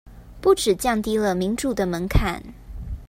不只降低了民主的門檻